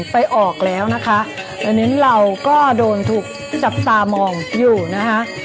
ไปออกแล้วและเราก็โดนจับตาม่อนใช่เหรอ